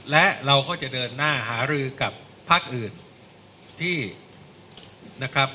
และเราก็จะเดินหน้าหารือกับภาคอื่นที่นะครับ